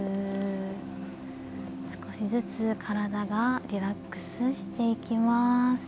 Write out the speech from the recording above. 少しずつ体がリラックスしていきます。